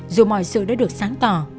dù mọi sự đã được sáng tỏ